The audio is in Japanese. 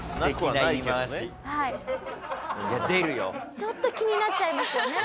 ちょっと気になっちゃいますよね。